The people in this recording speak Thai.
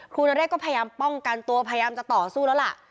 นเรศก็พยายามป้องกันตัวพยายามจะต่อสู้แล้วล่ะ